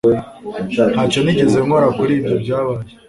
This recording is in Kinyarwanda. ntacyo nigeze nkora kuri ibyo byabaye